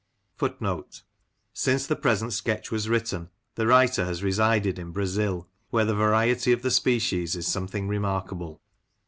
"Since the present sketch was written, the writer has resided in Brazil, where the variety of the species is something remarkable.